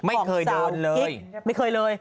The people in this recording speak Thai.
ไม่เคยเดินเลยไม่เคยเลย